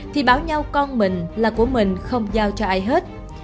thì bảo nhau con mình là của mình không giao cho ai hết